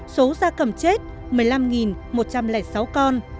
số da cầm chết một mươi năm một trăm linh sáu con